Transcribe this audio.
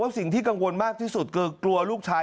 สิ่งที่กังวลมากที่สุดคือกลัวลูกชาย